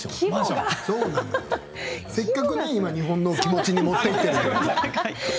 せっかく今、日本の気持ちに持っていっているのに。